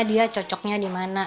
dia cocoknya di mana